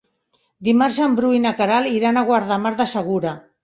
Dimarts en Bru i na Queralt iran a Guardamar del Segura.